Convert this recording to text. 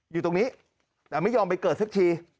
อยู่ตรงนี้แต่ไม่ยอมไปเกิดสักที